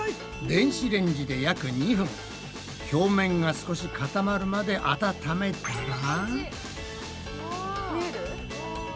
電子レンジで約２分表面が少し固まるまで温めたら。